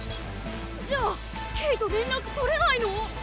じゃあケイと連絡取れないの？